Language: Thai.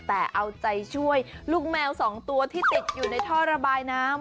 แต่เอาใจช่วยลูกแมวสองตัวที่ติดอยู่ในท่อระบายน้ำ